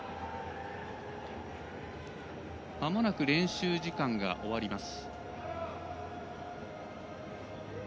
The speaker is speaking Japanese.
まもなく練習時間が終わります。